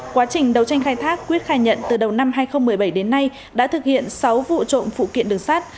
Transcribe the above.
quá trình đầu tranh khai thác quyết khai nhận từ đầu năm hai nghìn một mươi bảy đến nay đã thực hiện sáu vụ trộm phụ kiện đường sát